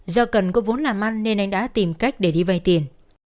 do cần có vốn làm ăn nên anh đã tìm cách để đi vay tiền